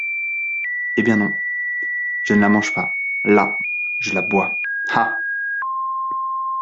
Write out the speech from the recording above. Eh, bien non ! je ne la mange pas ! là ! je la bois ! ah !